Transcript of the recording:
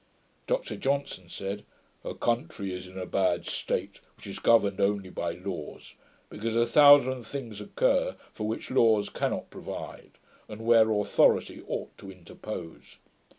Dr Johnson said, 'A country is in a bad state, which is governed only by laws; because a thousand things occur for which laws cannot provide, and where authority ought to interpose.